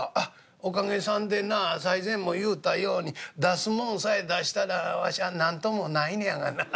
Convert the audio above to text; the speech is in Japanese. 『おかげさんでな最前も言うたように出すもんさえ出したらわしゃ何ともないねやがな』ってこない